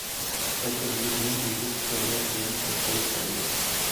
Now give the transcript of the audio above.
Chaque année, l'île des ours polaires viennent s'installer sur l'île.